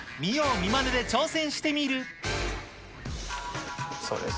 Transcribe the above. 見まねで挑戦しそうです。